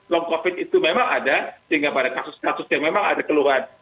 long covid itu memang ada sehingga pada kasus kasus yang memang ada keluhan